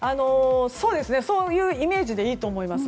そういうイメージでいいと思います。